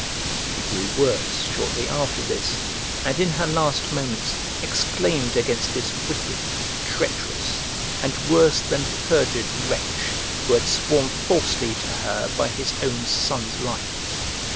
She grew worse shortly after this; and in her last moments exclaimed against this wicked, treacherous, and worse than perjured wretch, who had sworn falsely to her by his own son's life.